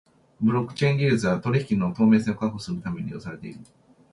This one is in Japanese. ブロックチェーン技術は取引の透明性を確保するために利用されている。